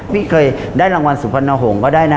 พี่เคยได้รางวัลสุพรรณหงษ์ก็ได้นะ